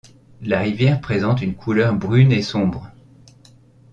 La rivière présente une couleur brune et sombre.